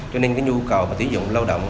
cho nên cái nhu cầu và tỉ dụng lao động